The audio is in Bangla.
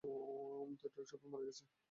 তাঁরা ট্রাকচাপায় মারা গেছেন।